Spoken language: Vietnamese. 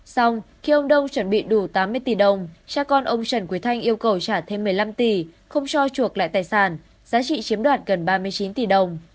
xong khi ông đông chuẩn bị đủ tám mươi tỷ đồng cha con ông trần quý thanh yêu cầu trả thêm một mươi năm tỷ không cho chuộc lại tài sản giá trị chiếm đoạt gần ba mươi chín tỷ đồng